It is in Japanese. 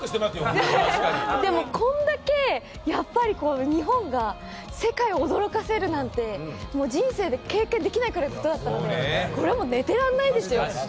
でも、これだけ日本が世界を驚かせるなんて人生で経験できないことだったのでこれはもう寝てられないです。